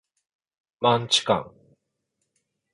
マンチカン